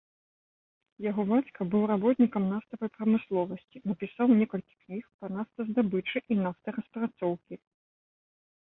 Яго бацька быў работнікам нафтавай прамысловасці, напісаў некалькі кніг па нафтаздабычы і нафтараспрацоўкі.